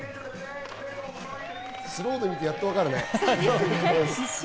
スローで見てやっと分かるね。